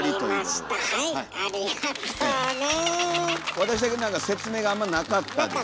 私だけなんか説明があんまなかったですけど。